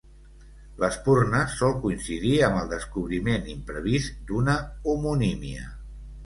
L'espurna sol coincidir amb el descobriment imprevist d'una homonímia.